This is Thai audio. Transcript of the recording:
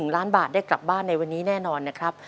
๑ล้านบาทได้กลับบ้านในวันนี้แน่นอนนะครับ